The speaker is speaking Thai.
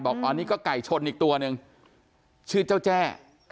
อ๋อนี่ก็ไก่ชนอีกตัวหนึ่งชื่อเจ้าแจ้